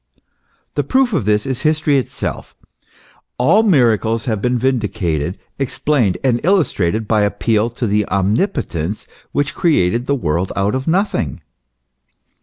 The proof of this is history itself ; all miracles have been vindicated, explained, and illustrated by appeal to the omnipotence which created the world out of nothing.